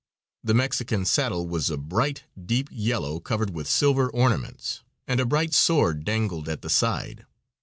The Mexican saddle was a bright, deep yellow, covered with silver ornaments, and a bright sword dangled at the side.